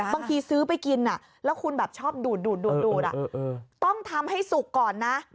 บางทีซื้อไปกินแล้วคุณแบบชอบดูดต้องทำให้สุกก่อนนะ